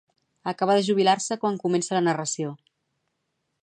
Acaba de jubilar-se quan comença la narració.